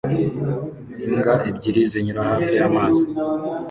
Imbwa ebyiri zinyura hafi y'amazi